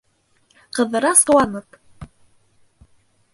Ҡыҙырас ҡыуанып: